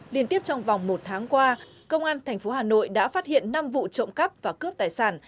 liên tiếp trong vòng một tháng qua công an tp hà nội đã phát hiện năm vụ trộm cắp và cướp tài sản